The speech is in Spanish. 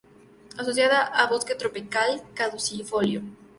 Asociada a bosque tropical caducifolio.